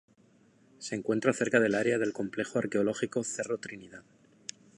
Se encuentra cerca del área del Complejo arqueológico Cerro Trinidad.